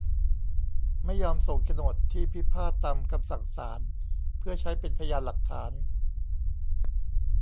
ไม่ยอมส่งโฉนดที่พิพาทตามคำสั่งศาล เพื่อใช้เป็นพยานหลักฐาน